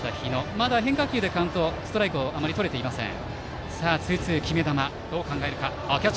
まだ変化球ではストライクをあまりとれていません。